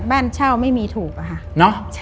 บ้านเช่าไม่มีถูกอะค่ะ